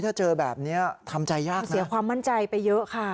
ถ้าเจอแบบนี้ทำใจยากสิเสียความมั่นใจไปเยอะค่ะ